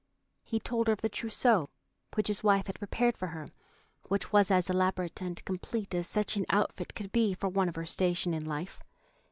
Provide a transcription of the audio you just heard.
He told her of the trousseau which his wife had prepared for her, which was as elaborate and complete as such an outfit could be for one of her station in life.